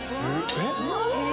えっ？